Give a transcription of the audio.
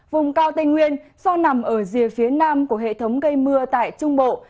vùng cao tây nguyên do nằm ở rìa phía nam của hệ thống gây mưa tại trung bộ